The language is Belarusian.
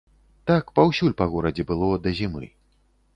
Так паўсюль па горадзе было да зімы.